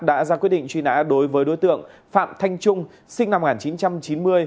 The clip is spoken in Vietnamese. đã ra quyết định truy nã đối với đối tượng phạm thanh trung sinh năm một nghìn chín trăm chín mươi